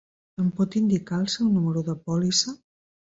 Em pot indicar el seu número de pòlissa?